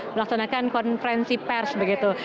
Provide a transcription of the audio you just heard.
melaksanakan konferensi pers begitu